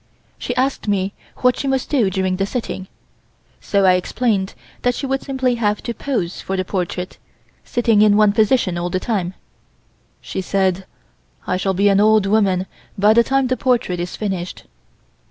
She asked me what she must do during the sitting, so I explained that she would simply have to pose for the portrait, sitting in one position all the time She said: "I shall be an old woman by the time the portrait is finished."